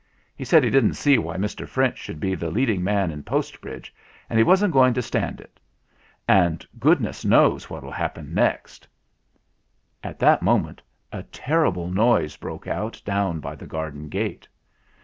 He said he didn't see why Mr. French should be the leading man in Postbridge, and he wasn't going to stand it. And goodness knows what'll happen next." 80 THE FLINT HEART At that moment a terrible noise broke out down by the garden gate.